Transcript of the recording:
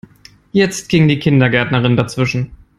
Jetzt ging die Kindergärtnerin dazwischen.